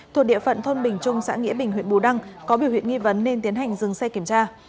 thuộc địa phận thôn bình trung xã nghĩa bình huyện bù đăng có biểu hiện nghi vấn nên tiến hành dừng xe kiểm tra